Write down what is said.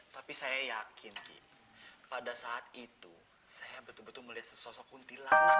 tapi saya yakin pada saat itu saya betul betul melihat sesosok kuntilan